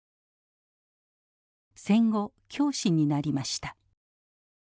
戦後教師になりました。